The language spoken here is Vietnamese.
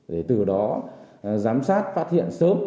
để từ đó giám sát phát hiện sớm